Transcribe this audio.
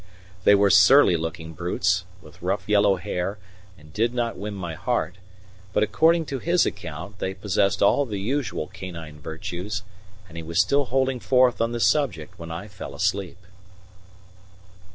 They were surly looking brutes, with rough yellow hair, and did not win my heart, but according to his account they possessed all the usual canine virtues; and he was still holding forth on the subject when I fell asleep.